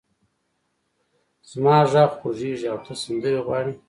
زما غږ خوږېږې او ته سندرې غواړې!